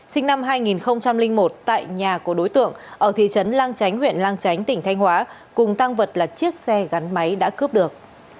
sinh năm hai nghìn một tại nhà của đối tượng ở thị trấn lang chánh huyện lang chánh tỉnh thanh hóa cùng tăng vật là chiếc xe gắn máy đã cướp được